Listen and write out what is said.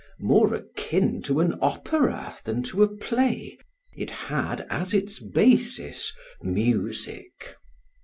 More akin to an opera than to a play it had, as its basis, music.